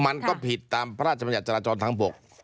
มันก็ผิดตามพระราชบัญญัติจราจรทางบก